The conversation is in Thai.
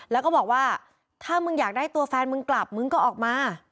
แล้วก็บอกว่าถ้ามึงอยากได้ตัวแฟนมึงกลับมึงก็ออกมา